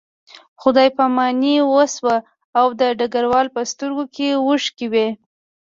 خدای پاماني وشوه او د ډګروال په سترګو کې اوښکې وې